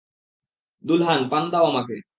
দুলহান, পান দাও আমাকে।